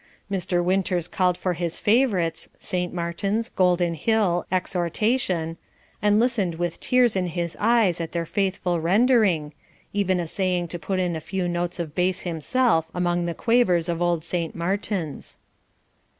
Mr. Winters called for his favourites, "St. Martins," "Golden Hill," "Exhortation," and listened with tears in his eyes at their faithful rendering, even essaying to put in a few notes of bass himself among the quavers of old St. Martins.